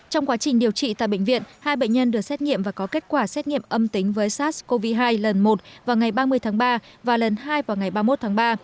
trong quá trình điều trị tại bệnh viện hai bệnh nhân được xét nghiệm và có kết quả xét nghiệm âm tính với sars cov hai lần một vào ngày ba mươi tháng ba và lần hai vào ngày ba mươi một tháng ba